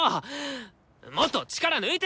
もっと力抜いて！